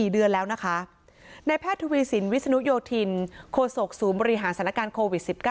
๔เดือนแล้วนะคะในแพทย์ทวีสินวิศนุโยธินโคศกศูนย์บริหารสถานการณ์โควิด๑๙